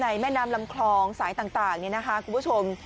แม่น้ำลำคลองสายต่างนี่นะคะคุณผู้ชม